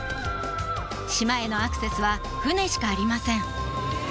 島へのアクセスは船しかありません